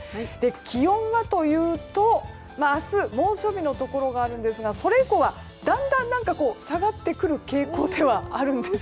気温はというと明日、猛暑日のところがあるんですがそれ以降はだんだん下がってくる傾向ではあるんです。